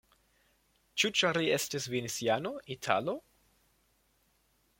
Ĉu ĉar li estis veneciano, italo?